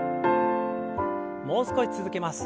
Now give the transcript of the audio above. もう少し続けます。